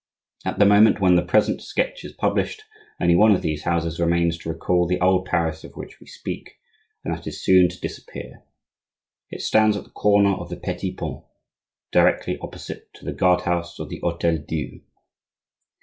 At the moment when the present sketch is published, only one of these houses remains to recall the old Paris of which we speak, and that is soon to disappear; it stands at the corner of the Petit Pont, directly opposite to the guard house of the Hotel Dieu.